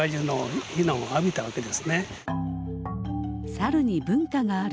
サルに文化がある。